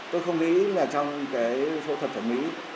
tôi không nghĩ là trong cái phẫu thuật thẩm mỹ